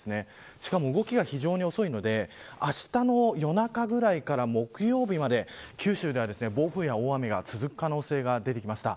しかも動きが非常に遅いのであしたの夜中ぐらいから木曜日まで九州では、暴風や大雨が続く可能性が出てきました。